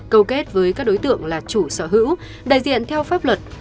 câu kết với các đối tượng là chủ sở hữu đại diện theo pháp luật